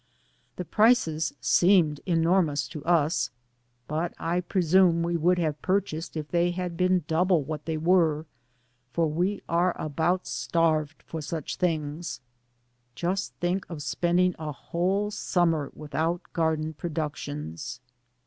The prices seemed enormous to us, but I pre sume we would have purchased if they had been double what they were, for we are about starved for such things. Just think of spending a whole summer without garden productions.